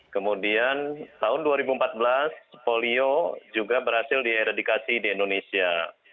kemudian tahun dua ribu empat belas polio juga berhasil dieredikasi di indonesia